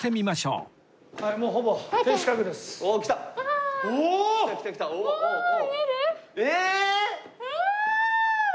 うわ！